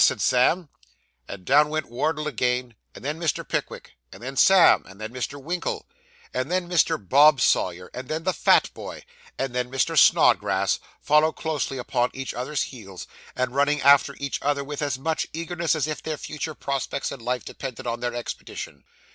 said Sam; and down went Wardle again, and then Mr. Pickwick, and then Sam, and then Mr. Winkle, and then Mr. Bob Sawyer, and then the fat boy, and then Mr. Snodgrass, following closely upon each other's heels, and running after each other with as much eagerness as if their future prospects in life depended on their expedition.